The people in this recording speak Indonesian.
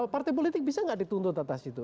partai politik bisa nggak dituntut atas itu